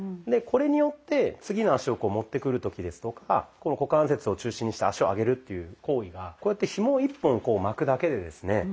でこれによって次の足をこう持ってくる時ですとかこの股関節を中心にした足を上げるっていう行為がこうやってひもを１本こう巻くだけでですね